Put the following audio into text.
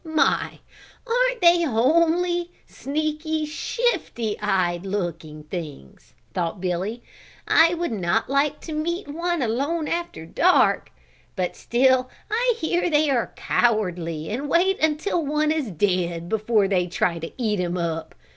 "My, aren't they homely, sneaky, shifty eyed looking things!" thought Billy. "I would not like to meet one alone after dark, but still I hear they are cowardly and wait until one is dead before they try to eat him up.